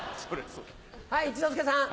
はい一之輔さん。